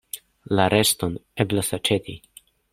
La reston eblas aĉeti.